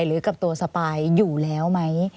หรือกับตัวสปายอยู่แล้วไหม